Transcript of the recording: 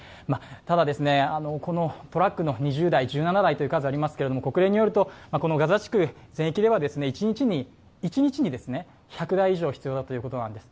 ただ、このトラックの２０台、１７台という数ありますけれども国連によると、ガザ地区全域では一日に１００台以上必要だということなんです。